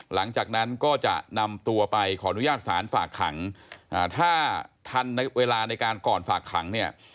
หลังจากนั้นก็จะนำตัวไปขออนุญาตศาลฝากขังถ้าทันเวลาในการก่อนฝากขังเนี่ย